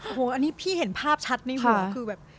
โอ้โหอันนี้พี่เห็นภาพชัดในหูคือแบบ